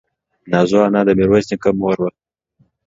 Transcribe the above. نازو انا د ميرويس نيکه مور وه.